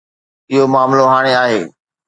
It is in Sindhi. اهو معاملو هاڻي آهي.